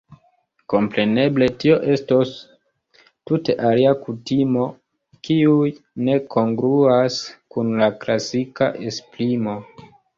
Kompreneble tio estos tute alia kutimo, kiuj ne kongruas kun la klasika esprimo.